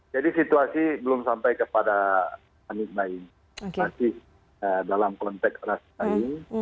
jadi situasi belum sampai kepada anggota yang masih dalam konteks rush buying